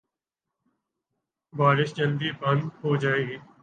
بارش جلدی بند ہو جائے گی۔